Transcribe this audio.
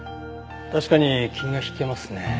確かに気が引けますね。